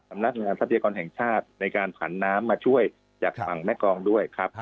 สำนักงานทรัพยากรแห่งชาติในการผันน้ำมาช่วยจากฝั่งแม่กองด้วยครับ